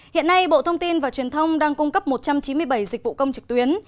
hiện nay bộ thông tin và truyền thông đang cung cấp một trăm chín mươi bảy dịch vụ công trực tuyến